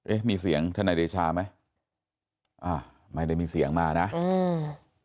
เอ๊ะมีเสียงทนายเดชาไหมอ่าไม่ได้มีเสียงมานะอืม